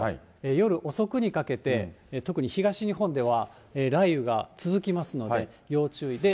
夜遅くにかけて、特に東日本では、雷雨が続きますので、要注意で。